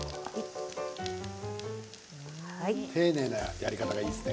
丁寧なやり方がいいですね。